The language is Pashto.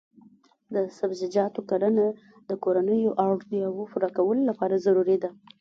د سبزیجاتو کرنه د کورنیو اړتیاوو پوره کولو لپاره ضروري ده.